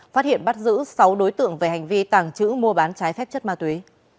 phát hiện bắt giữ sáu đối tượng về hành vi tàng trữ mua bán trái phép chất ma túy